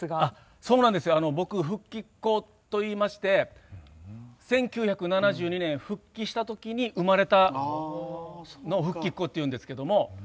そうなんです、僕「復帰っ子」といいまして１９７２年、復帰したときに生まれた人を「復帰っ子」というんですが。